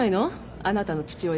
あなたの父親。